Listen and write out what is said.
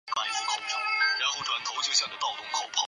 短柄川中南星为天南星科天南星属川中南星的变种。